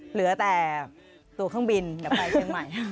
เหลือแต่ตัวเครื่องบินเดี๋ยวไปเชียงใหม่